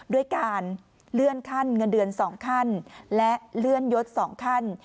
ด้วยการเลื่อนขั้นเงินเดือน๒ขั้นและเลื่อนยศ๒ขั้น